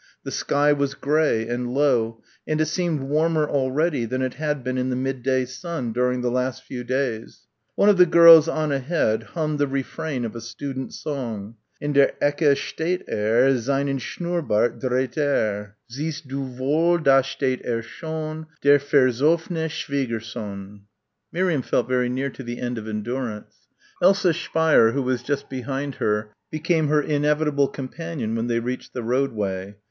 The sky was grey and low and it seemed warmer already than it had been in the midday sun during the last few days. One of the girls on ahead hummed the refrain of a student song: "In der Ecke steht er Seinen Schnurbart dreht er Siehst du wohl, da steht er schon Der versoff'ne Schwiegersohn." Miriam felt very near the end of endurance. Elsa Speier who was just behind her, became her inevitable companion when they reached the roadway.